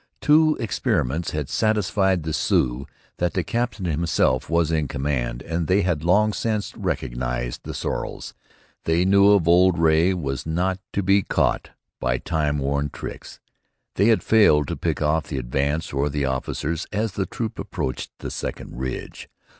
Two experiments had satisfied the Sioux that the captain himself was in command and they had long since recognized the sorrels. They knew of old Ray was not to be caught by time worn tricks. They had failed to pick off the advance, or the officers, as the troop approached the second ridge.